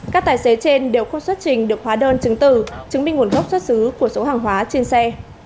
các tài xế trên đều không xuất trình được hóa đơn chứng từ chứng minh nguồn gốc xuất xứ của số hàng hóa trên xe